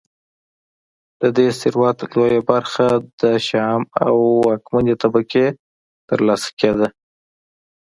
د دې ثروت لویه برخه د شیام او واکمنې طبقې ترلاسه کېده